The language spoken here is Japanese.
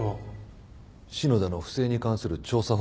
篠田の不正に関する調査報告だ。